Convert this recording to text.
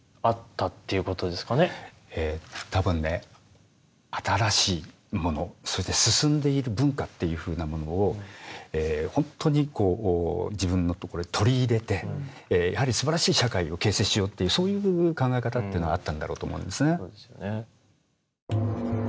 ええ多分ね新しいものそれで進んでいる文化っていうふうなものを本当に自分のところへ取り入れてやはりすばらしい社会を形成しようっていうそういう考え方っていうのはあったんだろうと思うんですね。